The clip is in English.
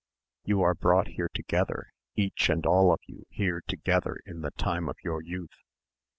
"You are brought here together, each and all of you here together in the time of your youth.